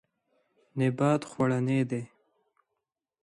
نبات خوړنی دی.